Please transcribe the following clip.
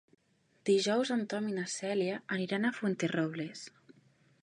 Dijous en Tom i na Cèlia aniran a Fuenterrobles.